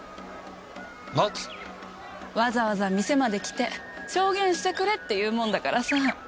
わざわざ店まで来て証言してくれって言うもんだからさ。